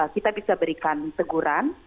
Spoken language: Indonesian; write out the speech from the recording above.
kita bisa berikan teguran